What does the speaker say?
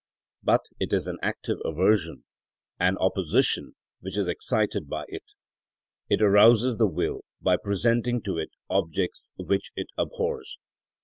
But it is an active aversion and opposition which is excited by it; it arouses the will by presenting to it objects which it abhors.